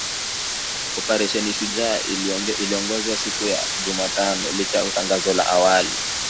Oparesheni Shujaa iliongezwa siku ya Jumatano licha ya tangazo la awali